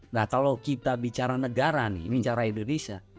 nah kalau kita bicara negara nih bicara indonesia